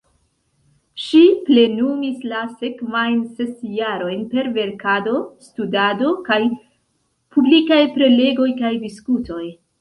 Ŝi plenumis la sekvajn ses jarojn per verkado, studado kaj publikaj prelegoj kaj diskutoj.